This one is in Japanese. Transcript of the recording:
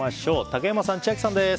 竹山さん、千秋さんです。